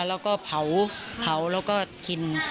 แล้วก็เผาแล้วก็กิน